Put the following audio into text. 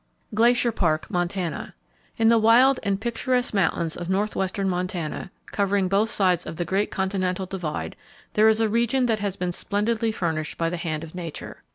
Glacier Park, Montana. —In the wild and picturesque mountains of northwestern Montana, covering both sides of the great Continental Divide, there is a region that has been splendidly furnished by the hand of Nature.